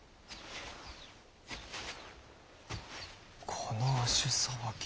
この足さばき。